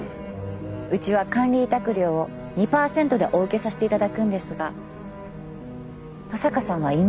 うちは管理委託料を２％でお受けさせていただくんですが登坂さんは今？